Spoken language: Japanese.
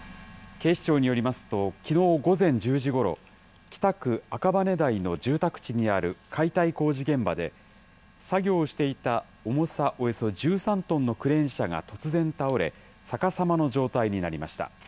警視庁によりますと、きのう午前１０時ごろ、北区赤羽台の住宅地にある解体工事現場で、作業していた重さおよそ１３トンのクレーン車が突然倒れ、逆さまの状態になりました。